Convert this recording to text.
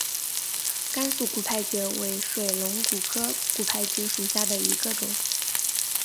甘肃骨牌蕨为水龙骨科骨牌蕨属下的一个种。